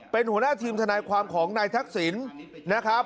เป็นหัวหน้าทีมทนายความของนายทักษิณนะครับ